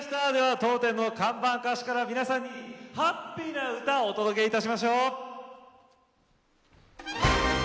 当店の看板歌手から皆さんにハッピーな歌をお届けしましょう。